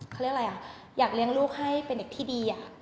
เขาเรียกอะไรอ่ะอยากเลี้ยงลูกให้เป็นเด็กที่ดี